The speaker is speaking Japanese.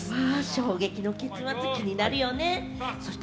衝撃の結末、気になるよね。